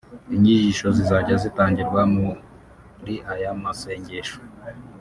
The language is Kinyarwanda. Inyigisho zizajya zitangirwa muri aya masengesho